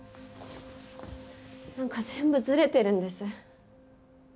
なんか全部ずれてるんです。